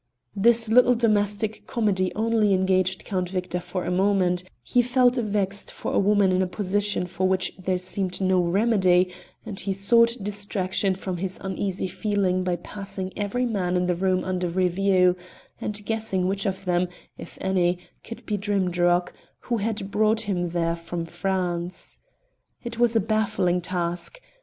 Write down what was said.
This little domestic comedy only engaged Count Victor for a moment; he felt vexed for a woman in a position for which there seemed no remedy, and he sought distraction from his uneasy feeling by passing every man in the room under review, and guessing which of them, if any, could be the Drim darroch who had brought him there from France. It was a baffling task.